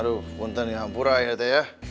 aduh gue nanti dihampur aja ya